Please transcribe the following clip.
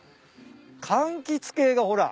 かんきつ系がほら。